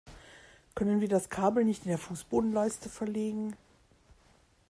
Können wir das Kabel nicht in der Fußbodenleiste verlegen?